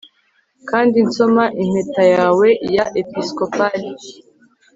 kandi nsoma impeta yawe ya episcopale